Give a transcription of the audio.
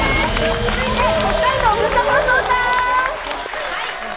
続いて、北海道文化放送さん。